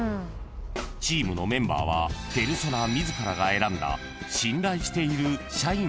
［チームのメンバーはペルソナ自らが選んだ信頼している社員たち］